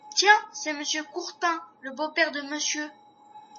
Tiens ! c’est Monsieur Courtin, le beau-père de Monsieur !